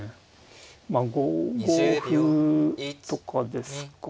まあ５五歩とかですかね。